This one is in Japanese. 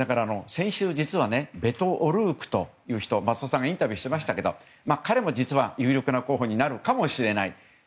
先週、実はベト・オルークという人を増田さんがインタビューしましたけど彼も実は有力な候補になるかもしれない。